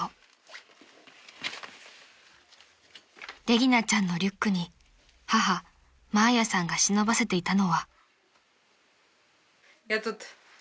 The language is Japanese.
［レギナちゃんのリュックに母マーヤさんが忍ばせていたのは］